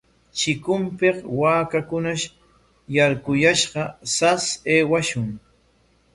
Chikunpik waakakunash yarquyashqa, sas aywashun.